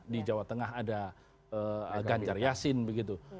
di jawa tengah ada ganjar yasin begitu